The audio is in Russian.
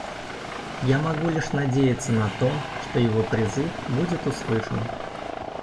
Я могу лишь надеяться на то, что его призыв будет услышан.